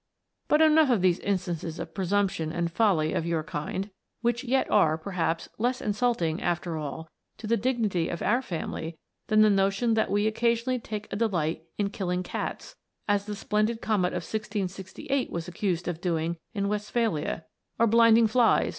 But enough of these instances of the presumption and folly of your kind, which yet are, perhaps, less insulting, after all, to the dignity of our family than the notion that we occasionally take a delight in killing cats, as the splendid Comet of 1668 was accused of doing in Westphalia ; or blinding flies, 208 A TALE OF A COMET.